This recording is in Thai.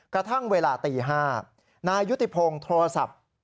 กระทั่งเวลาตี๕นายยุติพงศ์โทรศัพท์